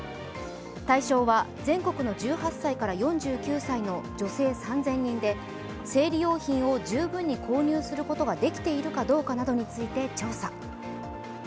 対象は全国の１８歳から４９歳の女性３０００人で生理用品を十分に購入することができているかどうかなどについて調査。